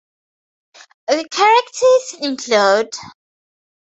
The characters include